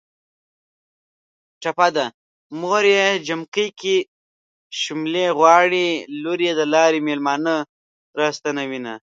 ټپه ده.: موریې جمکی کې شوملې غواړي ــــ لوریې د لارې مېلمانه را ستنوینه